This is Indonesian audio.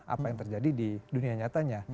apa yang terjadi di dunia nyatanya